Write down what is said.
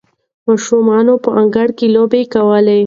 ماشومانو په انګړ کې لوبې کولې.